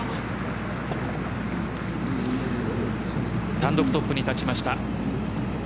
単独トップに立ちました。